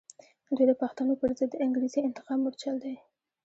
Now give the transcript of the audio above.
دوی د پښتنو پر ضد د انګریزي انتقام مورچل دی.